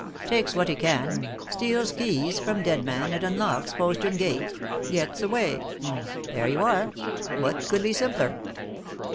Takes what he can steals keys from dead man and unlocks postern gate gets away. There you are! What could be simpler?"